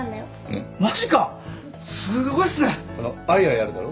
あの『アイアイ』あるだろ？